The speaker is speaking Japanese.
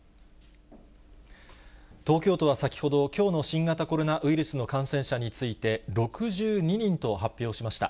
東京都は先ほど、きょうの新型コロナウイルス感染者について、６２人と発表しました。